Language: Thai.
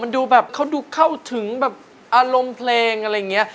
ดูแบบเขาดูเข้าถึงแบบอารมณ์เพลงอะไรอย่างนี้